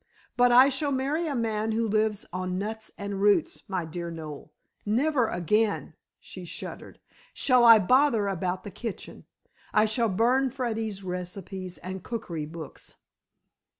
But I shall marry a man who lives on nuts and roots, my dear Noel. Never again," she shuddered, "shall I bother about the kitchen. I shall burn Freddy's recipes and cookery books."